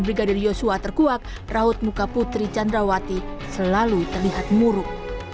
brigadir yosua terkuak raut muka putri candrawati selalu terlihat muruk